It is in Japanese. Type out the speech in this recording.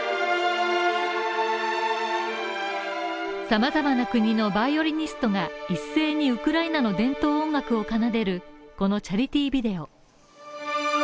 さまざまな国のバイオリニストが一斉にウクライナの伝統音楽を奏でるこのチャリティービデオ。